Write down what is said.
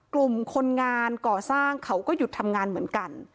กลุ่มคนงานก่อสร้างเขาก็หยุดทำงานเหมือนกัน